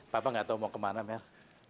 papa nggak tahu mau kemana mer